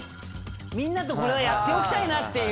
みんなとこれはやっておきたいな」っていう。